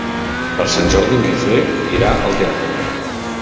Per Sant Jordi en Guifré irà al teatre.